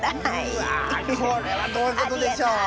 うわこれはどういうことでしょう。